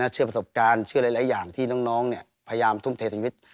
เชื่อประสบการณ์เชื่อหลายอย่างที่น้องพยายามทุ่มเทชีวิต